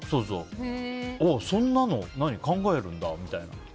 そんなの考えるんだみたいな。